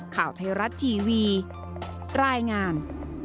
ข่าวไทยรัฐทีวีรายงาน